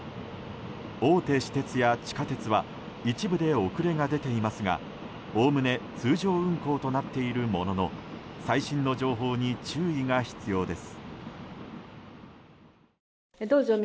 大手私鉄や地下鉄は一部で遅れが出ていますがおおむね通常運行となっているものの最新の情報に注意が必要です。